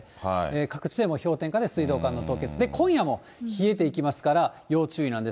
各地で氷点下の気温で水道管の凍結で、今夜も冷えていきますから、要注意なんです。